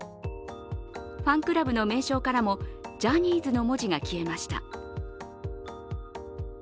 ファンクラブの名称からもジャニーズの文字が消えました。